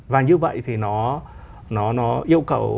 và như vậy thì nó yêu cầu